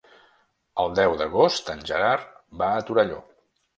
El deu d'agost en Gerard va a Torelló.